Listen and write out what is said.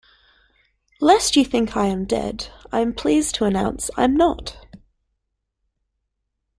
Lest you think I am dead, I’m pleased to announce I'm not!